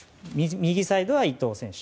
右サイドは伊東選手。